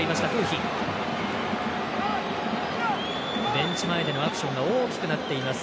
ベンチ前でのアクションが大きくなっています